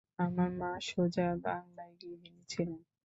আমার মা, সোজা বাংলায় গৃহিনী ছিলেন।